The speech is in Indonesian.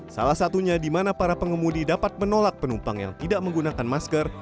salah satunya di mana para pengemudi dapat menolak penumpang yang tidak menggunakan masker